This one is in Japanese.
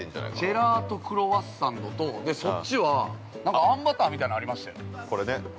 ◆ジェラートクロワッサンドとそっちはなんか、あんバターみたいなんありましたよね。